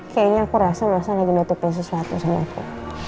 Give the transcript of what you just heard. kayaknya aku ngerasa mas al lagi ditutupi sesuatu sama aku